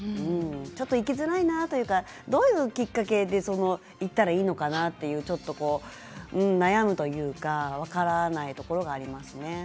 行きづらいなとかどういうきっかけで行ったらいいのかなという悩むというか分からないところがありますね。